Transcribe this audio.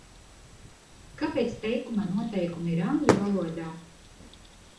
Kāpēc teikuma noteikumi ir angļu valodā?